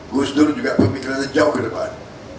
gus dur juga pemikirannya jauh ke depan